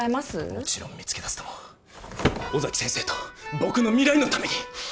もちろん見つけ出すとも尾崎先生と僕の未来のために！